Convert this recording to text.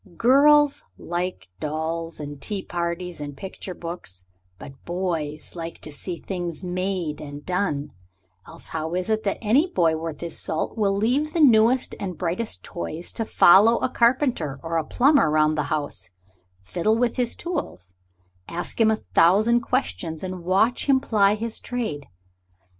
Girls like dolls and tea parties and picture books, but boys like to see things made and done; else how is it that any boy worth his salt will leave the newest and brightest toys to follow a carpenter or a plumber round the house, fiddle with his tools, ask him a thousand questions, and watch him ply his trade?